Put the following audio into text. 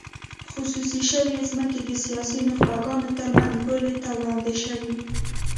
خصوصي شوې ځمکې د سیاسي نخبګانو ترمنځ بولۍ ته وړاندې شوې.